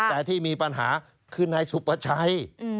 แต่ที่มีปัญหาคือนายสุภาชัย